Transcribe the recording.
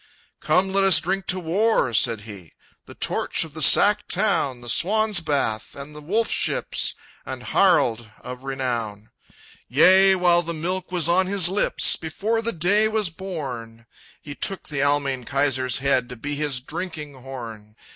"Come, let us drink to war!" said he, "The torch of the sacked town! The swan's bath and the wolf ships, And Harald of renown! "Yea, while the milk was on his lips, Before the day was born, He took the Almayne Kaiser's head To be his drinking horn!